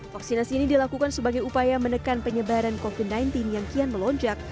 vaksinasi ini dilakukan sebagai upaya menekan penyebaran covid sembilan belas yang kian melonjak